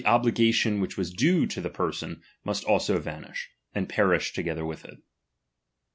obligation which was due to the person, must also Tauish, and perish together with it.